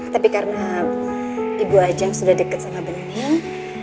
tapi karena ibu ajam sudah deket sama bening